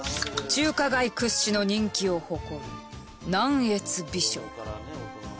中華街屈指の人気を誇る南粤美食。